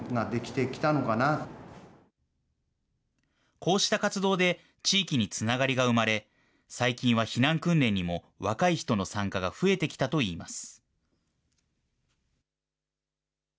こうした活動で地域につながりが生まれ、最近は避難訓練にも若い人の参加が増えてきたといいます。